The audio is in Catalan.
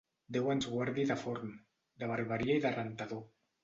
Déu ens guardi de forn, de barberia i de rentador.